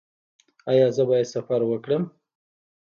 ایا زه باید سفر وکړم؟